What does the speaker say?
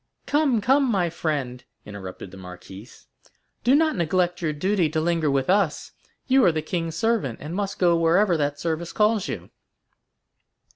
"Come, come, my friend," interrupted the marquise, "do not neglect your duty to linger with us. You are the king's servant, and must go wherever that service calls you."